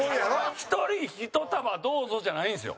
１人１束どうぞじゃないんですよ。